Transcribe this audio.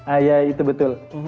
ah ya itu betul